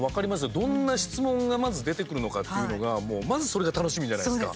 どんな質問がまず出てくるのかっていうのがまずそれが楽しみじゃないですか。